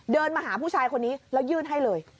เดินมาหาผู้ชายคนนี้แล้วยื่นให้เลย